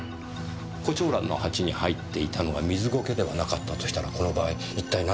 胡蝶蘭の鉢に入っていたのが水苔ではなかったとしたらこの場合一体何が考えられるでしょう？